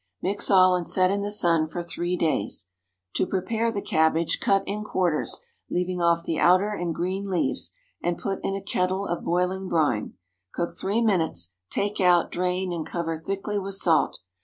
Mix all and set in the sun for three days. To prepare the cabbage, cut in quarters—leaving off the outer and green leaves—and put in a kettle of boiling brine. Cook three minutes. Take out, drain, and cover thickly with salt.